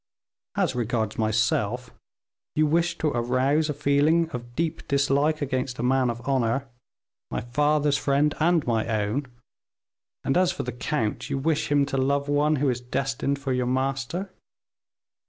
As regards myself, you wish to arouse a feeling of deep dislike against a man of honor my father's friend and my own; and as for the count you wish him to love one who is destined for your master.